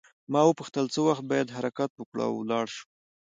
ما وپوښتل څه وخت باید حرکت وکړو او ولاړ شو.